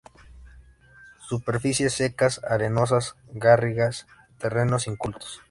Superficies secas, arenosas, garrigas, terrenos incultos.